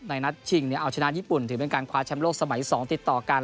นัดชิงเอาชนะญี่ปุ่นถือเป็นการคว้าแชมป์โลกสมัย๒ติดต่อกัน